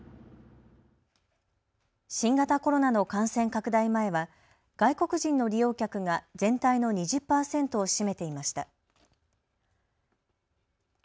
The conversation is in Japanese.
新型コロナの感染拡大前は外国人の利用客が全体の２０％を占めていました。